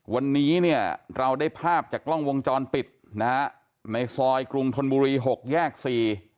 วันนี้เนี่ยเราได้ภาพจากกล้องวงจรปิดนะฮะในซอยกรุงธนบุรีหกแยกสี่